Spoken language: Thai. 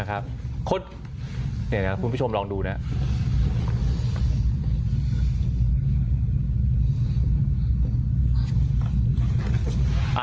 คุณผู้ชมลองดูนะ